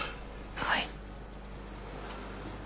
はい。